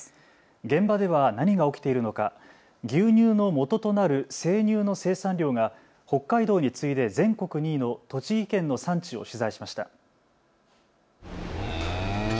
現場では何が起きているのか、牛乳のもととなる生乳の生産量が北海道に次いで全国２位の栃木県の産地を取材しました。